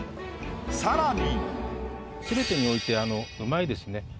さらに。